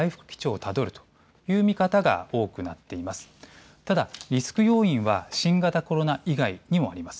ただリスク要因は新型コロナ以外にもあります。